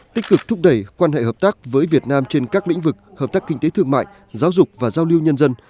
tích cực thúc đẩy quan hệ hợp tác với việt nam trên các lĩnh vực hợp tác kinh tế thương mại giáo dục và giao lưu nhân dân